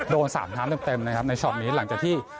โดนสาปน้ำน้ำเต็มเต็มนะครับในชอบนี้หลังจากที่